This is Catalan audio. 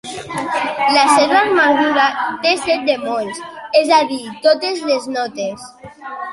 La seva armadura té set bemolls, és a dir, totes les notes.